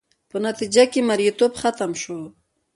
په نتیجه کې یې مریتوب ختم شو